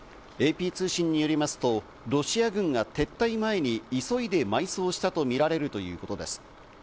ＡＰ通信によりますと、ロシア軍が撤退前に急いで埋葬したとみられるということです。